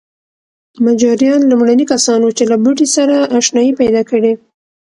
مجاریان لومړني کسان وو چې له بوټي سره اشنايي پیدا کړې.